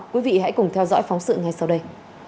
quý vị hãy cùng theo dõi phóng sự ngay sau đây